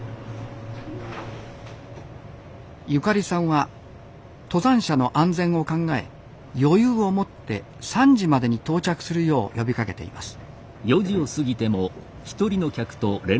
ゆかりさんは登山者の安全を考え余裕を持って３時までに到着するよう呼びかけています。